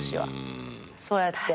そうやって。